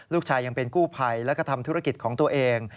ลูกชายยังเป็นกู้ไภและก็ทำธุรกิจของตัวเอง